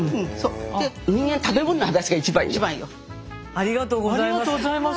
ありがとうございます。